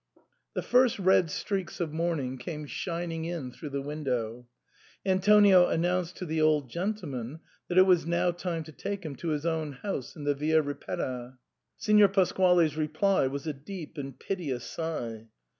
The first red streaks of morning came shining in through the window. Antonio announced to the old gentleman that it was now time to take him to his own house in the Via Ripetta. Signor Pasquale's reply was a deep and piteous sigh.